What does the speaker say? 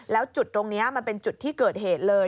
แล้วจุดตรงนี้มันเป็นจุดที่เกิดเหตุเลย